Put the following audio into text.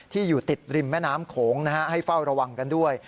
ที่อยู่ติดริมแม่น้ำโขงให้เฝ้าระวังกันด้วย